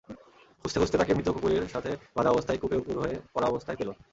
খুঁজতে খুঁজতে তাকে মৃত কুকুরের সাথে বাধা অবস্থায় কূপে উপুড় হয়ে পড়া অবস্থায় পেল।